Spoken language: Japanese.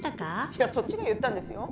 いやそっちが言ったんですよ。